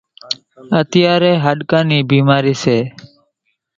اتيارين هاڏڪان نِي ڀيمارِي سي۔